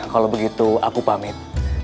kalau begitu aku pamit